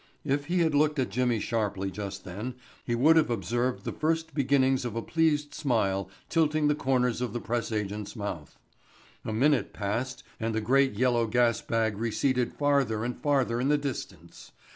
If he had looked at Jimmy sharply just then he would have observed the first beginnings of a pleased smile tilting the corners of the press agent's mouth. A minute passed and the great yellow gas bag receded farther and farther in the distance.